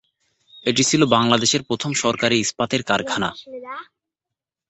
এটি ছিল বাংলাদেশের প্রথম সরকারি ইস্পাতের কারখানা।